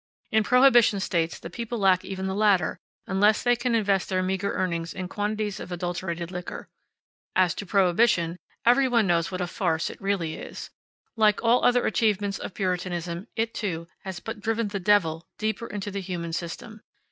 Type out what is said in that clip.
In Prohibition States the people lack even the latter, unless they can invest their meager earnings in quantities of adulterated liquor. As to Prohibition, every one knows what a farce it really is. Like all other achievements of Puritanism it, too, has but driven the "devil" deeper into the human system.